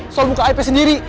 soal muka ip sendiri